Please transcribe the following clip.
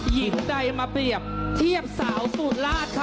หญิงใดมาเปรียบเทียบสาวสุราชค่ะ